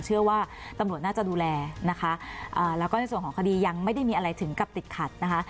เชื่อว่าตำรวจน่าจะดูแลนะคะแล้วก็ในส่วนของคดียังไม่ได้มีอะไรถึงกับติดขัดนะคะ